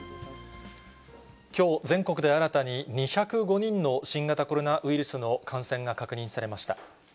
きょう全国で新たに２０５人の新型コロナウイルスの感染が確認されました。